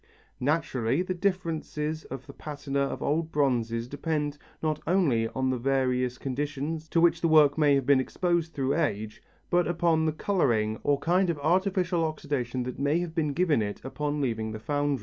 Naturally, the differences of the patina of old bronzes depend not only upon the various conditions to which the work may have been exposed through age, but also upon the colouring or kind of artificial oxidation that may have been given it upon leaving the foundry.